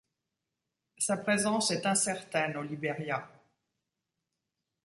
Sa présence est incertaine au Liberia.